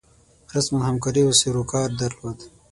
رسما همکاري او سروکار درلود.